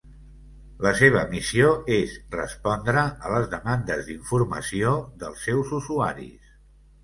La seva missió és respondre a les demandes d'informació dels seus usuaris.